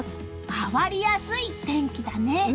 変わりやすい天気だね。